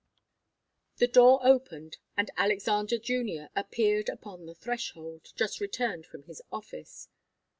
The door opened and Alexander Junior appeared upon the threshold, just returned from his office.